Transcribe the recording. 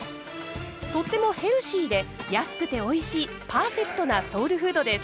とってもヘルシーで安くておいしいパーフェクトなソウルフードです。